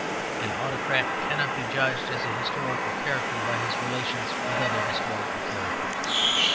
An autocrat cannot be judged as a historical character by his relations with other historical characters.